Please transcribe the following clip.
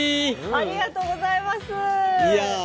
ありがとうございます。